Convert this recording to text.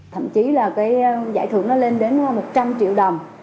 thậm chí là cái giải thưởng nó lên đến một trăm linh triệu đồng